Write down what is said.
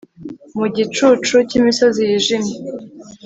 Mu gicucu cyimisozi yijimye